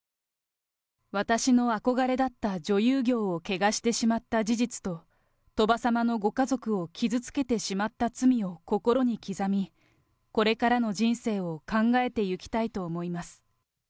私の憧れだった女優業を汚してしまった事実と、鳥羽様のご家族を傷つけてしまった罪を心に刻み、これからの人生を考えてゆきたいと思います。